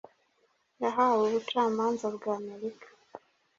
Yahawe ubucamanza bwa Amerika